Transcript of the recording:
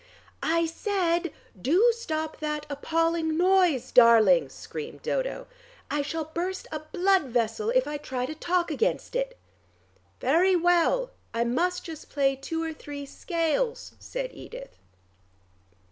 "I said, do stop that appalling noise, darling," screamed Dodo. "I shall burst a blood vessel if I try to talk against it." "Very well: I must just play two or three scales," said Edith.